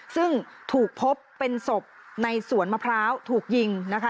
ซึ่งถูกพบเป็นศพในสวนมะพร้าวถูกยิงนะคะ